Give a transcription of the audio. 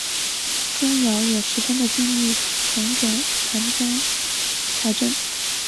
宗尧也十分的尽力重整藩中财政。